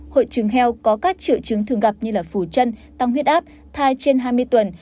hội chứng heo có các triệu chứng thường gặp như là phủ chân tăng huyết áp thai trên hai mươi tuần